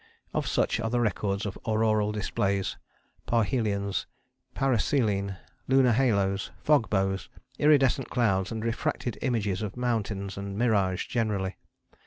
Of such are the records of auroral displays, parhelions, paraselene, lunar halos, fog bows, irridescent clouds, refracted images of mountains and mirage generally.